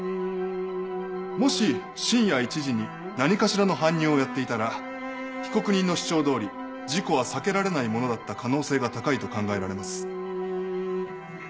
もし深夜１時に何かしらの搬入をやっていたら被告人の主張どおり事故は避けられないものだった可能性が高いと考えられます。